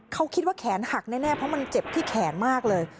เขาคิดว่าแขนหักแน่เพราะมันเจ็บที่แขนมากเลย